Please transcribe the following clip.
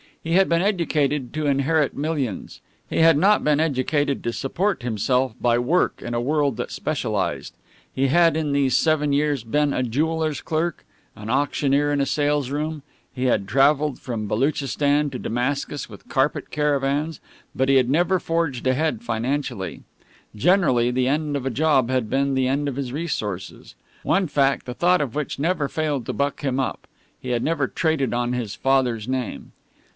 He had been educated to inherit millions; he had not been educated to support himself by work in a world that specialized. He had in these seven years been a jeweller's clerk, an auctioneer in a salesroom; he had travelled from Baluchistan to Damascus with carpet caravans, but he had never forged ahead financially. Generally the end of a job had been the end of his resources. One fact the thought of which never failed to buck him up he had never traded on his father's name.